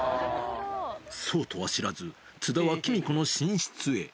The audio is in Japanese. そうとは知らず、津田はきみ子の寝室へ。